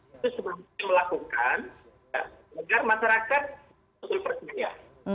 itu sebetulnya melakukan agar masyarakat betul betul percaya